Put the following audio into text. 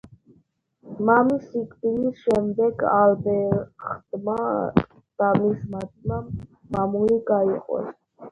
მამის სიკვდილის შემდეგ ალბრეხტმა და მისმა ძმამ მამული გაიყვეს.